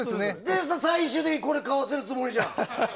最終的にこれ買わせるつもりじゃん。